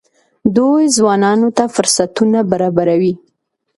دوی ځوانانو ته فرصتونه برابروي.